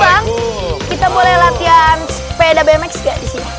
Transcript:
abang kita boleh latihan sepeda bmx gak disini